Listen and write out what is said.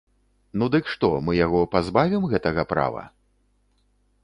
Ну дык што, мы яго пазбавім гэтага права?